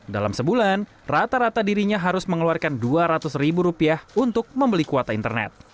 dalam sebulan rata rata dirinya harus mengeluarkan dua ratus ribu rupiah untuk membeli kuota internet